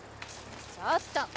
ちょっと！